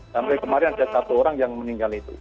sampai kemarin ada satu orang yang meninggal itu